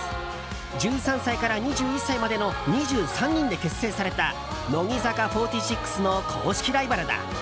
１３歳から２１歳までの２３人で結成された乃木坂４６の公式ライバルだ。